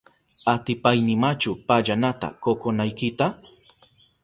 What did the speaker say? ¿Atipaynimachu pallanata kokonaykita?